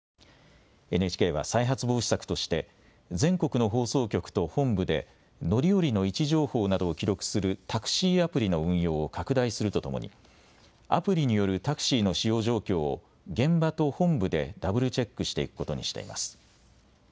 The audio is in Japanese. ＮＨＫは再発防止策として全国の放送局と本部で乗り降りの位置情報などを記録するタクシーアプリの運用を拡大するとともにアプリによるタクシーの使用状況を現場と本部でダブルチェックしていくことにしています。